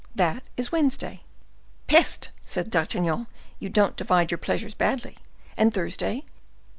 That is Wednesday." "Peste!" said D'Artagnan; "you don't divide your pleasures badly. And Thursday?